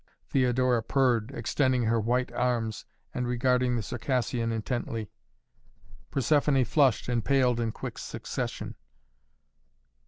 Theodora purred, extending her white arms and regarding the Circassian intently. Persephoné flushed and paled in quick succession.